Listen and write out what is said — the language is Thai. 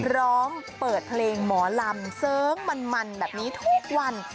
ร้องเปิดเพลงหมอลำเสิร์ฟมันแบบนี้ทุกวัน